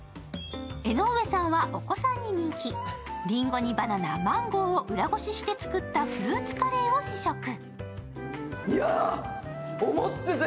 江上さんはお子さんに人気、リンゴにバナナ、マンゴーを裏ごしして作ったフルーツカレーを試食。